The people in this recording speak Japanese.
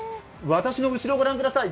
私の後ろ、ご覧ください。